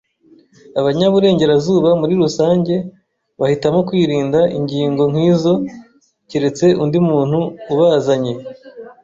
Abanyaburengerazuba, muri rusange, bahitamo kwirinda ingingo nkizo keretse undi muntu ubazanye.